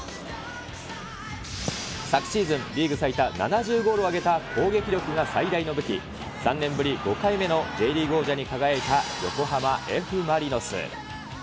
昨シーズン、リーグ最多７０ゴールを挙げた攻撃力が最大の武器、３年ぶり５回目のＪリーグ王者に輝いた横浜Ｆ・マリノス。